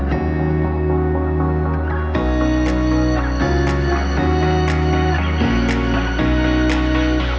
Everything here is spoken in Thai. สวัสดีครับสวัสดีครับ